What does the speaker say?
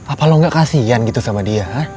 apa lo gak kasian gitu sama dia